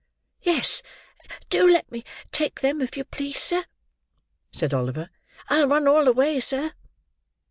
"Yes; do let me take them, if you please, sir," said Oliver. "I'll run all the way, sir."